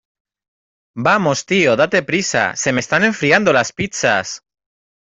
¡ Vamos, tío , date prisa! ¡ se me están enfriando las pizzas !